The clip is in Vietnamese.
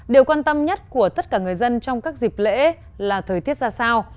điều quan tâm nhất của tất cả người dân trong các dịp lễ là thời tiết ra sao